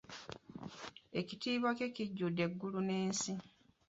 Ekitiibwa kye kijjudde eggulu n’ensi.